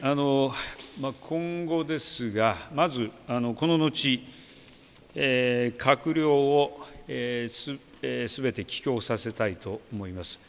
今後ですがこの後、閣僚をすべて帰郷させたいと思います。